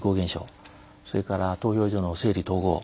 それから投票所の整理・統合。